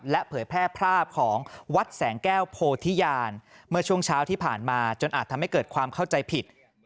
และเผยแพร่ภาพของวัดแสงแก้วโพธิญาณเมื่อช่วงเช้าที่ผ่านมาจนอาจทำให้เกิดความเข้าใจผิด